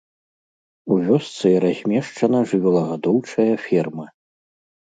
У вёсцы размешчана жывёлагадоўчая ферма.